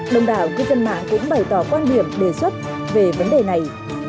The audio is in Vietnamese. đồng đảo cư dân mạng cũng bày tỏ quan điểm đề xuất về vấn đề này